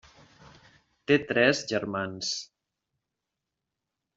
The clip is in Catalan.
Té tres germans.